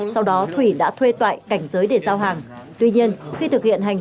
sau đó thủy đã thuê toại cảnh giới để giao hàng